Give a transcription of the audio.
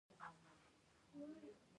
افغانستان د اوړي لپاره مشهور دی.